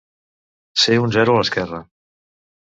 Ser un zero a l'esquerra.